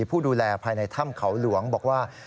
ผู้ดูแลภายในถ้ำเขาหลวงบอกว่า